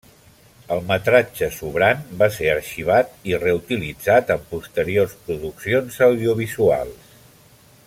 El metratge sobrant va ser arxivat i reutilitzat en posteriors produccions audiovisuals.